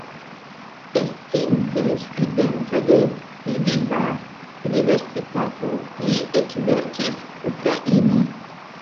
Estinte studento de Lviva Universitato li ekverkis ukraine.